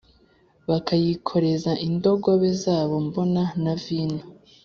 Bakayikoreza indogobe zabo mbona na vino